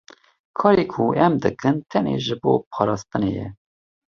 Karê ku em dikin tenê ji bo parastinê ye.